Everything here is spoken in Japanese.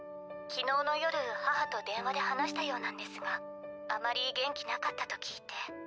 昨日の夜母と電話で話したようなんですがあまり元気なかったと聞いて。